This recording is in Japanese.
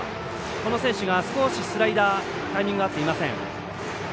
この選手がスライダータイミング合っていません。